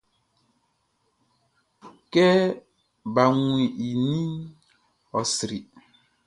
Kɛ baʼn wun i ninʼn, ɔ sri.